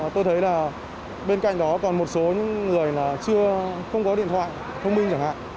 tôi thấy là bên cạnh đó còn một số những người là chưa không có điện thoại thông minh chẳng hạn